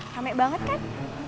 kamek banget kan